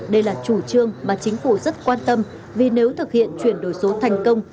đây là chủ trương mà chính phủ rất quan tâm vì nếu thực hiện chuyển đổi số thành công